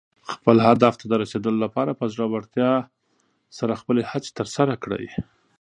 خپل هدف ته د رسېدو لپاره په زړۀ ورتیا سره خپلې هڅې ترسره کړه.